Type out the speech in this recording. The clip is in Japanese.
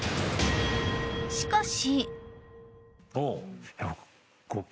しかし。